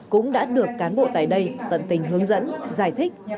cũng đã được cán bộ tại đây tận tình hướng dẫn giải thích